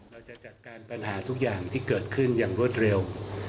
เราจะจัดการปัญหาทุกอย่างที่เกิดขึ้นอย่างรวดเร็ว